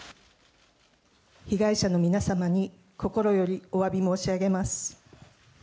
被害者の皆様に心よりおわび申し上げます。